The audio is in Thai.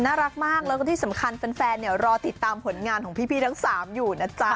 น่ารักมากแล้วก็ที่สำคัญแฟนเนี่ยรอติดตามผลงานของพี่ทั้ง๓อยู่นะจ๊ะ